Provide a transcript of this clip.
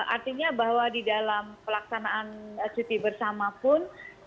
artinya bahwa di dalam pelaksanaan cuti bersama pun